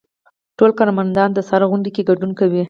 ټول کارمندان د سهار غونډې کې ګډون کوي.